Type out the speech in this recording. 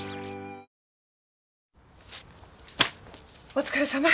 お疲れさま。